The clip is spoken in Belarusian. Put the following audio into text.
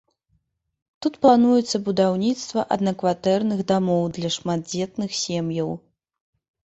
Тут плануецца будаўніцтва аднакватэрных дамоў для шматдзетных сем'яў.